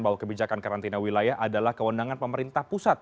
bahwa kebijakan karantina wilayah adalah kewenangan pemerintah pusat